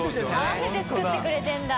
合わせて作ってくれてるんだ。